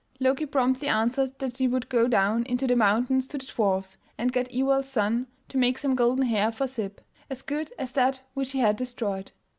Loki promptly answered that he would go down into the mountains to the dwarfs, and get Iwald's sons to make some golden hair for Sib, as good as that which he had destroyed.